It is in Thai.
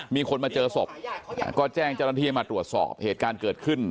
มีคนมาเจอศพก็แจ้งเจ้าหน้าที่ให้มาตรวจสอบเหตุการณ์เกิดขึ้น